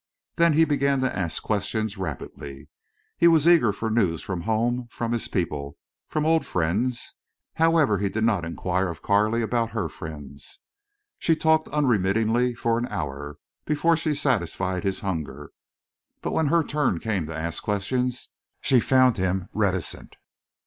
Then he began to ask questions rapidly. He was eager for news from home—from his people—from old friends. However he did not inquire of Carley about her friends. She talked unremittingly for an hour, before she satisfied his hunger. But when her turn came to ask questions she found him reticent.